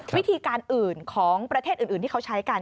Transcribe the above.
วิธีการอื่นของประเทศอื่นที่เขาใช้กัน